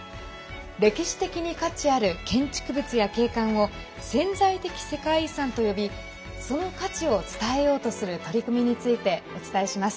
歴史的に価値ある建築物や景観を潜在的世界遺産と呼びその価値を伝えようとする取り組みについてお伝えします。